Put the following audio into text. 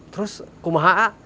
terus kumaha a